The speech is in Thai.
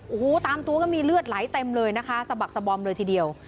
โอ้โหตามตัวก็มีเลือดไหลเต็มเลยนะคะสะบักสะบอมเลยทีเดียว